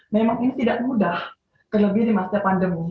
memang ini tidak mudah terlebih di masa pandemi